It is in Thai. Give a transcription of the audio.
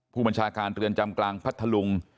ผู้บัญชาการเรือนจำกลางพัทธลุง